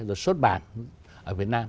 rồi xuất bản ở việt nam